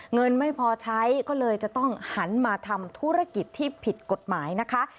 เงินไม่พอใช้ก็เลยจะต้องหันมาทำธุรกิจที่ผิดกฎหมายนะคะ